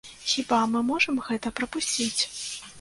Хіба мы можам гэта прапусціць?